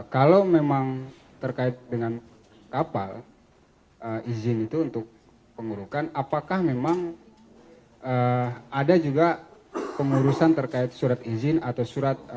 kalau memang terkait dengan kapal izin itu untuk pengurukan apakah memang ada juga pengurusan terkait surat izin atau surat